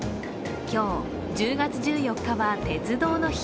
今日１０月１４日は鉄道の日。